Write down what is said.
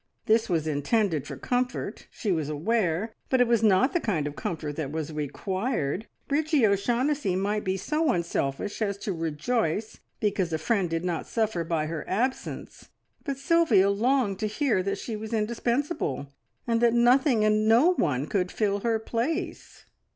This was intended for comfort, she was aware, but it was not the kind of comfort that was required. Bridgie O'Shaughnessy might be so unselfish as to rejoice because a friend did not suffer by her absence, but Sylvia longed to hear that she was indispensable, and that nothing and no one could fill her place.